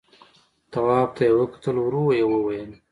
تواب ته يې وکتل، ورو يې وويل: